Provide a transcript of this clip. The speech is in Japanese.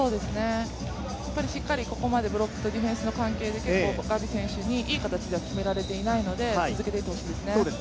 しっかりここまで、ブロックとレシーブの形で結構ガビ選手にいい形で決められていないので続けていってほしいですね。